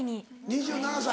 ２７歳。